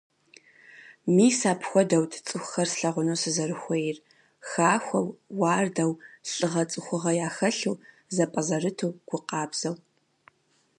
Мис апхуэдэут цӀыхухэр слъэгъуну сызэрыхуейр: хахуэу, уардэу, лӀыгъэ, цӀыхугъэ яхэлъу, зэпӀэзэрыту, гу къабзэу.